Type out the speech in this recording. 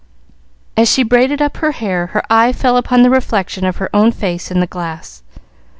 As she braided up her hair, her eye fell upon the reflection of her own face in the glass.